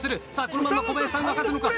このまま小林さんが勝つのか。